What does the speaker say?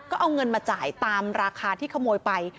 ก็เอาเงินมาจ่ายตามราคาที่ขโมยไป